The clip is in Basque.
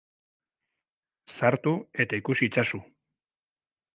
Sartu eta ikusi itzazu!